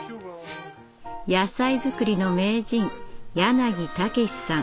野菜作りの名人柳武さん